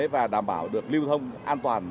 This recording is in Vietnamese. và đảm bảo được liêu thông an toàn